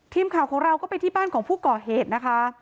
ทีมข่าวของเราก็ไปที่บ้านของผู้ก่อเหตุนะคะ